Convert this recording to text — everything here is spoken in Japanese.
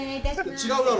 違うだろ。